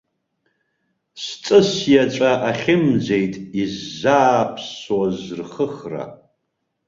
Сҵыс иаҵәа ахьымӡеит иззааԥсоз рхыхра.